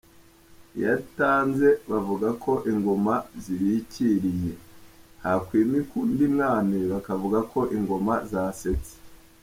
Iyo atanze bavuga ko Ingoma Zibikiriye ; hakwimikwa undi Mwami bakavuga ko Ingoma Zasetse.